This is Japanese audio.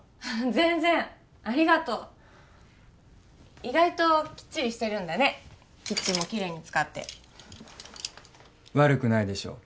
全然ありがとう意外ときっちりしてるんだねキッチンもきれいに使って悪くないでしょ？